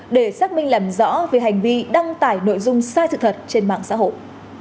để xác minh làm rõ về hành vi đăng tải nội dung sai sự thật trên mạng xã hội